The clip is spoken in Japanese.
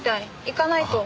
行かないと。